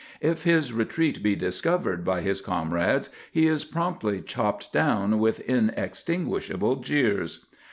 If his retreat be discovered by his comrades, he is promptly chopped down with inextinguishable jeers.